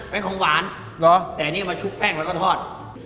เป็นของหวานเหรอแต่อันนี้มาชุบแป้งแล้วก็ทอด